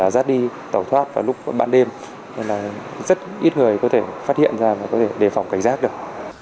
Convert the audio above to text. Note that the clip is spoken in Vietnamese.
vào lúc bãn đêm nên rất ít người có thể phát hiện ra và có thể đề phòng cảnh sát được